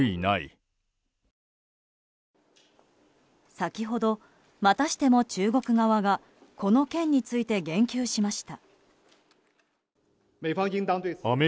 先ほど、またしても中国側はこの件について言及しました。